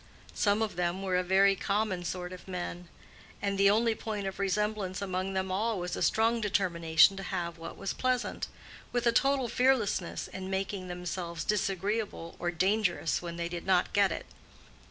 Some of them were a very common sort of men. And the only point of resemblance among them all was a strong determination to have what was pleasant, with a total fearlessness in making themselves disagreeable or dangerous when they did not get it.